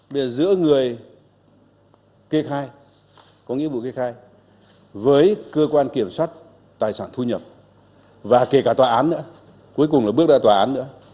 bây giờ giữa người kê khai có nghĩa vụ kê khai với cơ quan kiểm soát tài sản thu nhập và kể cả tòa án nữa cuối cùng là bước ra tòa án nữa